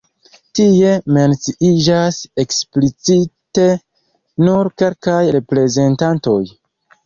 Tie menciiĝas eksplicite nur kelkaj reprezentantoj.